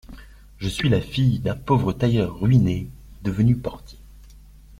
Je suis la fille d’un pauvre tailleur ruiné, devenu portier.